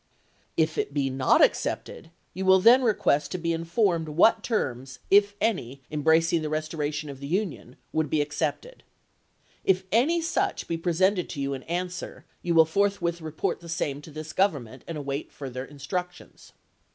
If it be not accepted, you will then request to be informed what terms, if any THE JAQUESS GILMORE MISSION 221 embracing the restoration of the Union, would be chap.ix. accepted. If any such be presented you in answer, you will forthwith report the same to this Govern ment, and await further instructions.